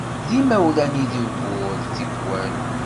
D imawlan i d ugur tikwal.